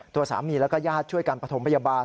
ตัวสามีแล้วก็ญาติช่วยกันประถมพยาบาล